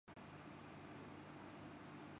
T twenty کو بنیاد بنا کر